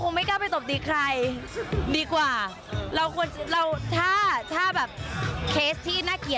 ผมพูดอย่างนี้